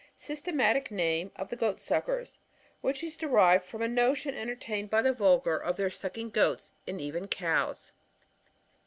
Systematic name of the Goatsuckers, which is derived from a notion entertained by the volgar, of their sucking goats, and evea cows.